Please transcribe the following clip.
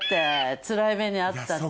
つらい目に遭ったって。